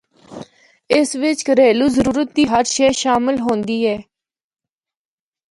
اس وچ کہریلو ضرورت دی ہر شے شامل ہوندی اے۔